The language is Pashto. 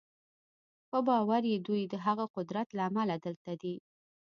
په باور یې دوی د هغه قدرت له امله دلته دي